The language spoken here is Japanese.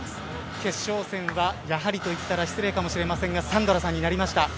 決勝戦はやはりと言ったら失礼かもしれませんが、サンドラさんになりました。